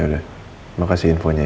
kalau bu astri sakit kasihan juga anak anak